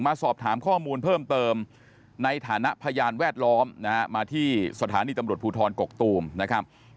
มาสอบถามข้อมูลเพิ่มเติมในฐานะพยานแวดล้อมมาที่สตพกกตูมนะครับ